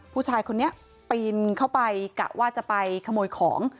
ผู้ชายคนนี้ปีนเข้าไปกะว่าจะไปขโมยของ